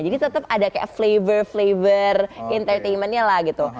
jadi tetap ada kayak flavor flavor entertainmentnya lah gitu